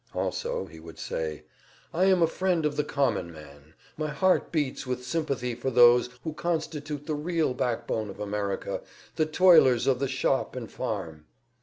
Also he would say: "I am a friend of the common man. My heart beats with sympathy for those who constitute the real backbone of America, the toilers of the shop and farm."